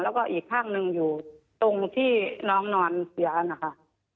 แล้วก็อีกข้างหนึ่งอยู่ตรงที่น้องนอนเสียนะคะ